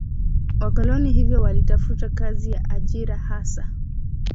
wakoloni hivyo walitafuta kazi ya ajira Hasa